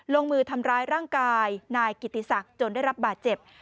ลงมือทำร้ายร่างกายนายกิติศักดิ์จนได้รับบาดเจ็บ